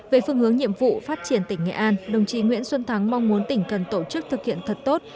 về phương hướng nhiệm vụ phát triển tỉnh nghệ an đồng chí nguyễn xuân thắng mong muốn tỉnh cần tổ chức thực hiện thật tốt